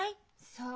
そう。